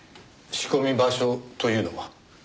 仕込み場所というのは？